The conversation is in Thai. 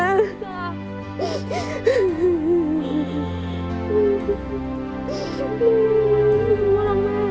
รักแม่